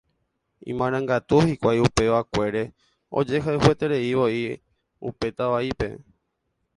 Imarangatu hikuái upevakuére ojehayhuetereivoi upe tava'ípe.